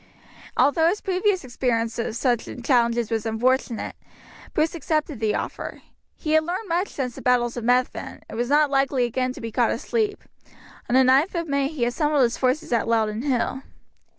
Although his previous experience of such challenges was unfortunate, Bruce accepted the offer. He had learned much since the battle of Methven, and was not likely again to be caught asleep; on the 9th of May he assembled his forces at Loudon Hill.